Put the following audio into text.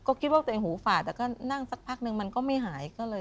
ก็คิดว่าตัวเองหูฝาดแต่ก็นั่งสักพักนึงมันก็ไม่หายก็เลย